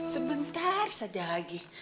sebentar saja lagi